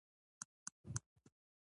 آیا لومړی بست لوړ دی؟